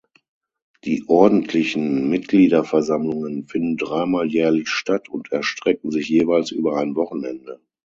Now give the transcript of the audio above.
Die ordentlichen Mitgliederversammlungen finden dreimal jährlich statt und erstrecken sich jeweils über ein Wochenende.